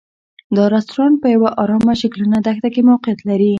دا رسټورانټ په یوه ارامه شګلنه دښته کې موقعیت لري.